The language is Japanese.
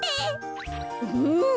うん！